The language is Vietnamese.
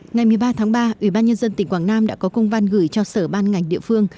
ngày một mươi ba tháng ba ủy ban nhân dân tỉnh quảng nam đã có công văn gửi cho sở ban ngành địa phương